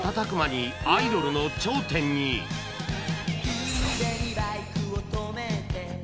「海辺にバイクを止めて」